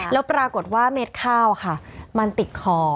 แล้วปรากฏว่าเม็ดข้าวค่ะมันติดคอ